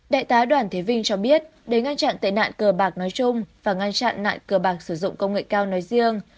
đại tá đoàn thế vinh cho biết để ngăn chặn tệ nạn cờ bạc nói chung và ngăn chặn nạn cờ bạc sử dụng công nghệ cao nói riêng